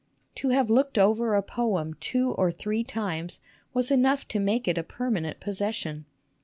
To have looked over a poem two or three times was enough to make it a permanent possession.